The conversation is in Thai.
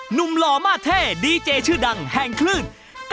หนุ่มหลอมา่แท่ดีเจ๊ชื่อดังแห่งคลื่น